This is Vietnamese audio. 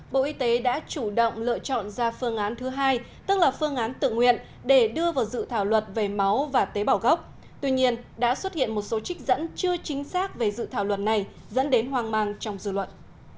bộ y tế đã chủ động lựa chọn ra phương án thứ hai tức là phương án tự nguyện để đưa vào dự thảo luật về máu và tế bảo gốc tuy nhiên đã xuất hiện một số trích dẫn chưa chính xác về dự thảo luật này dẫn đến hoang mang trong dự luận